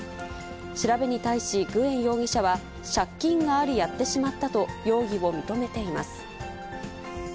調べに対しグエン容疑者は、借金がありやってしまったと、容疑を認めています。